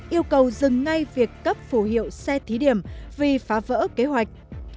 yêu cầu dừng ngay việc cấp phù hiệu xe thí điểm vì phá vỡ kế hoạch